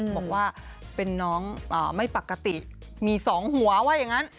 บอกว่าเป็นน้องไม่ปกติมี๒หัวว่าอย่างนั้น